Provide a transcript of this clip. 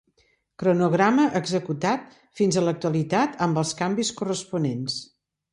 Cronograma executat fins a l'actualitat amb els canvis corresponents.